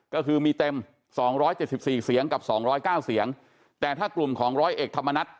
ก็คือมีเต็ม๒๗๔เสียงกับ๒๐๙เสียงแต่ถ้ากลุ่มของร้อยเอกธรรมนัฐ